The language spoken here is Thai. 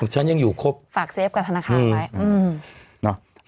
ฉันยังอยู่ครบฝากเฟฟกับธนาคารไว้